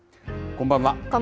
こんばんは。